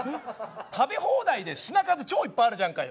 食べ放題で品数超いっぱいあるじゃんかよ。